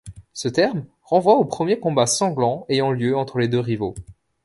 Ce terme renvoie aux premiers combats sanglants ayant lieu entre les deux rivaux.